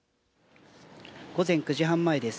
午前９時半前です。